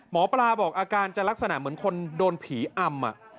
หมอปลาบอกอาการจะลักษณะเหมือนคนโดนผีอำ